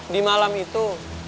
di malam itu